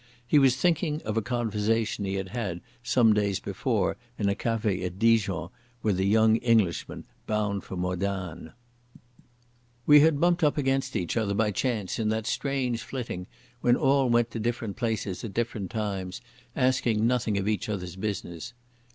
He was thinking of a conversation he had had some days before in a café at Dijon with a young Englishman bound for Modane.... We had bumped up against each other by chance in that strange flitting when all went to different places at different times, asking nothing of each other's business.